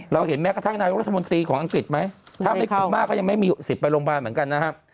เห็นแม้กระทั่งนายกรัฐมนตรีของอังกฤษไหมถ้าไม่คุ้มมากก็ยังไม่มีสิทธิ์ไปโรงพยาบาลเหมือนกันนะครับ